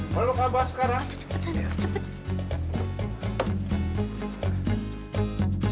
peluk abah sekarang